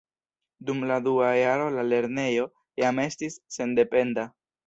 Dum la dua jaro la lernejo jam estis sendependa.